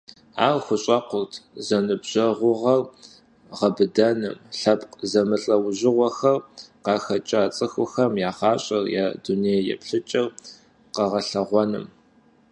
Ар хущӏэкъурт зэныбжьэгъугъэр гъэбыдэным, лъэпкъ зэмылӀэужьыгъуэхэм къахэкӀа цӀыхухэм я гъащӀэр, я дуней еплъыкӀэр къэгъэлъэгъуэным.